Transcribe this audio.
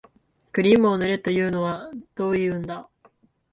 クリームを塗れというのはどういうんだ